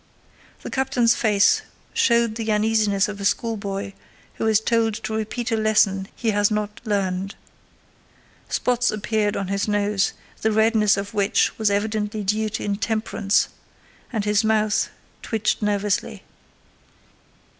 The captain's face showed the uneasiness of a schoolboy who is told to repeat a lesson he has not learned. Spots appeared on his nose, the redness of which was evidently due to intemperance, and his mouth twitched nervously.